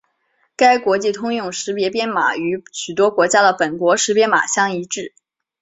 该国际通用识别编码与许多国家的本国识别码相一致。